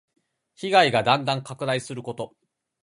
被害がだんだん拡大すること。